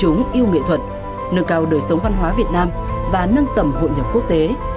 chúng yêu nghệ thuật nâng cao đời sống văn hóa việt nam và nâng tầm hội nhập quốc tế